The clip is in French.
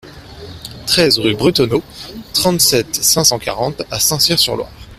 treize rue Bretonneau, trente-sept, cinq cent quarante à Saint-Cyr-sur-Loire